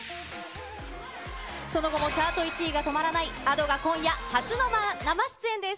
その後もチャート１位が止まらないＡｄｏが今夜、初の生出演です。